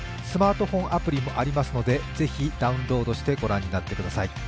スマートフォンアプリもありますので、ぜひダウンロードして御覧になってください。